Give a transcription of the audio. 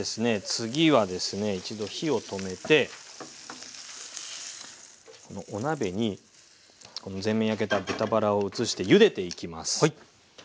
次はですね一度火を止めてお鍋に全面焼けた豚バラを移してゆでていきます。